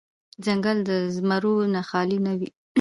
ـ ځنګل د زمرو نه خالې نه وي.